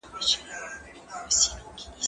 زه به سبا مړۍ پخه کړم